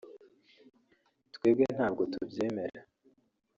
’’ Twebwe ntabwo tubyemera